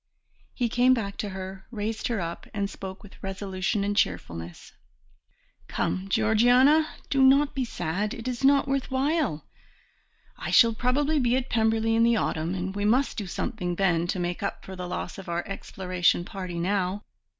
He came back to her, raised her up, and spoke with resolution and cheerfulness. "Come, Georgiana, do not be sad, it is not worth while. I shall probably be at Pemberley in the autumn, and we must do something then to make up for the loss of our exploration party now.